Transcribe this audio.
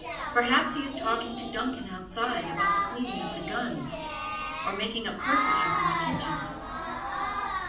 Perhaps he is talking to Duncan outside about the cleaning of the guns, or making up cartridges in the kitchen.